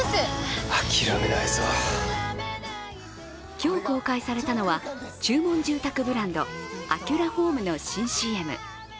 今日公開されたのは、注文住宅ブランドアキュラホームの新ＣＭ。